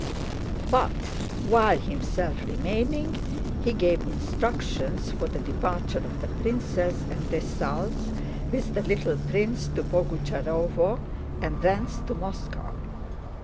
But while himself remaining, he gave instructions for the departure of the princess and Dessalles with the little prince to Boguchárovo and thence to Moscow.